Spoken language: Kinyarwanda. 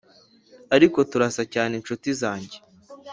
ariko turasa cyane, nshuti zanjye,